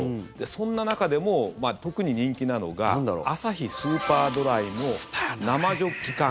そんな中でも特に人気なのがアサヒスーパードライの生ジョッキ缶。